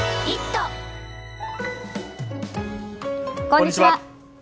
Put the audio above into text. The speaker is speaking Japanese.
こんにちは。